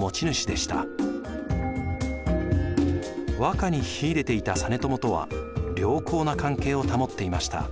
和歌に秀でていた実朝とは良好な関係を保っていました。